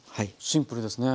シンプルですね。